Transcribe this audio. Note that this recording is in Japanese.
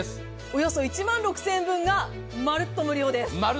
およそ１万６０００円分がまるっと無料です。